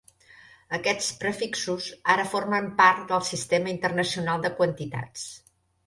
Aquests prefixos ara formen part del Sistema Internacional de Quantitats.